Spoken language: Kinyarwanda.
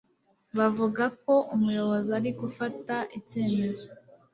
Bavuga ko Umuyobozi ari gufata icyemezo.